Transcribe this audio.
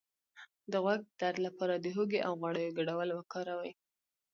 د غوږ د درد لپاره د هوږې او غوړیو ګډول وکاروئ